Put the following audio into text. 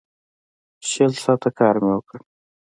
شل ساعته کار مې وکړ.